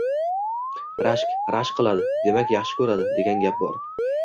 Rashk. Rashk qiladi, demak yaxshi ko‘radi, degan gap bor.